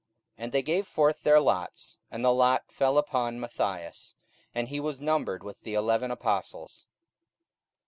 44:001:026 And they gave forth their lots; and the lot fell upon Matthias; and he was numbered with the eleven apostles.